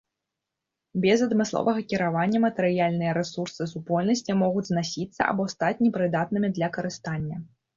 Без адмысловага кіравання матэрыяльныя рэсурсы супольнасці могуць знасіцца або стаць непрыдатнымі для карыстання.